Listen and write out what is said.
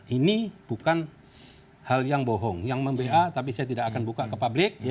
ini bukan hal yang bohong yang memba tapi saya tidak akan buka ke publik